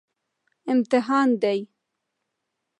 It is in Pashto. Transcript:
امتحان دی